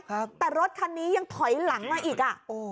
ครับแต่รถคันนี้ยังถอยหลังหน่อยอีกอ่ะอ๋อ